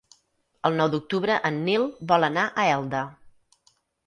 El nou d'octubre en Nil vol anar a Elda.